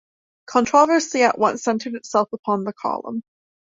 Controversy at once centred itself upon the column.